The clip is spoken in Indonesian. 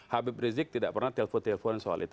habib rizik tidak pernah telpon telpon soal itu